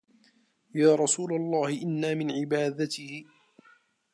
يَا رَسُولَ اللَّهِ إنَّ مِنْ عِبَادَتِهِ